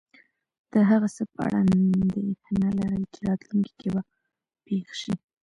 د هغه څه په اړه انېښنه لرل چی راتلونکي کې به پیښ شې